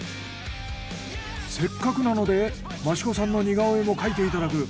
せっかくなので益子さんの似顔絵も描いていただく。